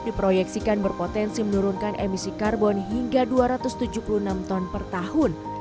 diproyeksikan berpotensi menurunkan emisi karbon hingga dua ratus tujuh puluh enam ton per tahun